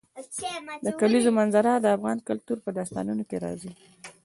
د کلیزو منظره د افغان کلتور په داستانونو کې راځي.